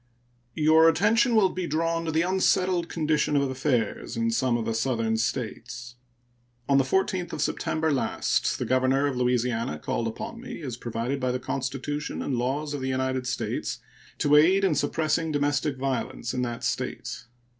Your attention will be drawn to the unsettled condition of affairs in some of the Southern States. On the 14th of September last the governor of Louisiana called upon me, as provided by the Constitution and laws of the United States, to aid in suppressing domestic violence in that State.